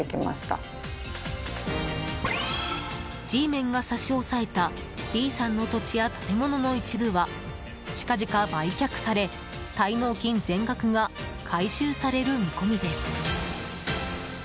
Ｇメンが差し押さえたＢさんの土地や建物の一部は近々売却され滞納金全額が回収される見込みです。